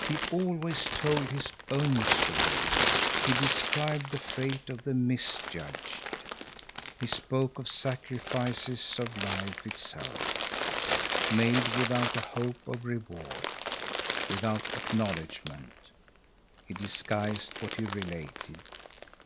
He always told his own story. He described the fate of the misjudged. He spoke of sacrifices of life itself, made without a hope of reward, without acknowledgment. He disguised what he related.